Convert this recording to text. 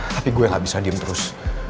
tapi gue gak bisa diem terus